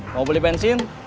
mau beli bensin